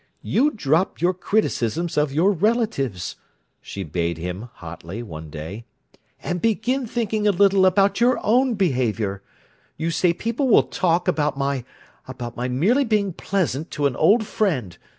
"You drop your criticisms of your relatives," she bade him, hotly, one day, "and begin thinking a little about your own behaviour! You say people will 'talk' about my—about my merely being pleasant to an old friend!